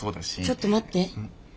ちょっと待って。